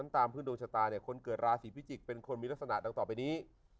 ตามพื้นดวงชะตาเนี่ยคนเกิดราศีพิจิกษ์เป็นคนมีลักษณะดังต่อไปนี้